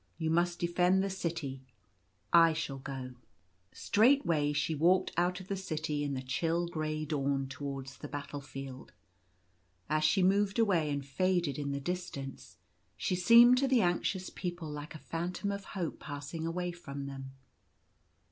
You must defend * the city, I shall go." Straightway she walked out of the city in the chill grey dawn towards the battle field. As she moved away and faded in the distance, she seemed to the anxious people like a phantom of Hope passing away from them.